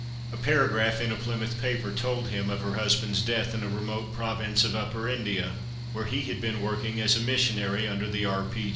A paragraph in a Plymouth paper told him of her husband's death in a remote province of Upper India, where he had been working as a missionary under the R.